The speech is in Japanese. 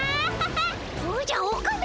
おじゃオカメ！